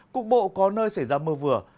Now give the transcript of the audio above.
cục bộ có nơi xảy ra mưa vừa